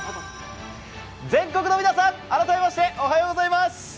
全国の皆さん、改めましておはようございます。